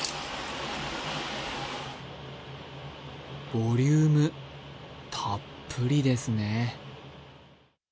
ボリュームたっぷりですね。